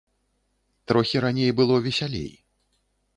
Трохі раней было весялей.